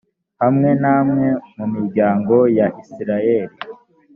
hamwe namwe mu miryango ya isirayeli